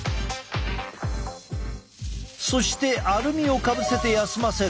そしてアルミをかぶせて休ませる。